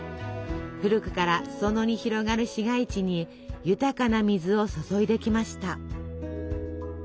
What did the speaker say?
古くから裾野に広がる市街地に豊かな水を注いできました。